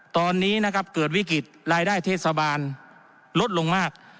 ตอนนี้นะครับเกิดวิกฤตรายได้เทศบาลลดลงมาก